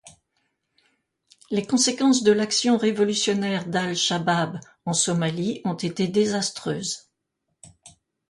Les conséquences de l'action révolutionnaire d'Al-Shabaab en Somalie ont été désastreuses.